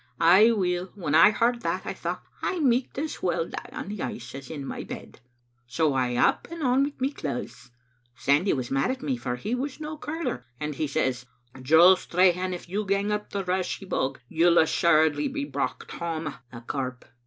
Ay, weel, when I heard that, I thocht I micht as weel die on the ice as in my bed, so I up and on wi' my claethes. Sandy was mad at me, for he was no curler, and he says, *Jo Strachan, if you gang to Rashie bog you'll assuredly be brocht hame a corp.'